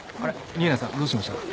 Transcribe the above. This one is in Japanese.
新名さんどうしました？